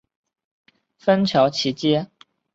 芬乔奇街。